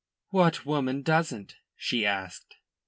"What woman doesn't?" she asked.